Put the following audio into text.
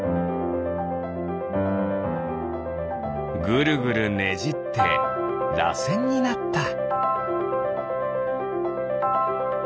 ぐるぐるねじってらせんになった。